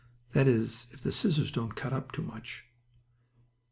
that is if the scissors don't cut up too much.